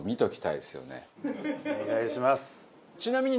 お願いします。